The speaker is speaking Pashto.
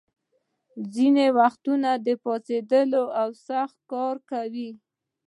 ځینې یې وختي پاڅېدلي او سخت کار کوي.